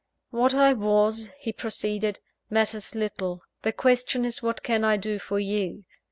"What I was," he proceeded, "matters little; the question is what can I do for you?